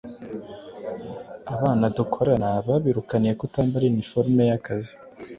Abana dukorana babirukaniye kutambara iniforume yakazi